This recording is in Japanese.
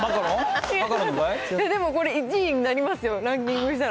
でもこれ、１位になりますよ、ランキングしたら。